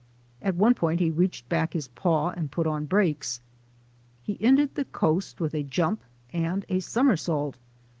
At one point he reached back his paw and put on brakes. He ended the coast with a jump and a somersault.